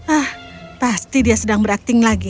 ah pasti dia sedang berakting lagi